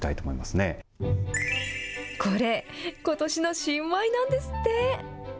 これ、ことしの新米なんですって。